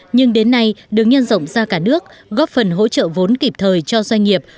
nhưng đến nay được nhân rộng ra cả nước góp phần hỗ trợ vốn kịp thời cho doanh nghiệp